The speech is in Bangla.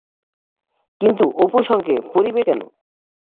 কিন্তু অপুর সঙ্গে পরিবে কেন?